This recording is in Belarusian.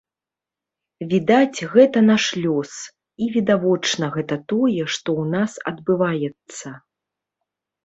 Відаць, гэта наш лёс і, відавочна, гэта тое, што ў нас адбываецца.